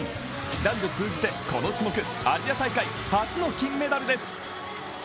男女通じてこの種目、アジア大会初の金メダルです。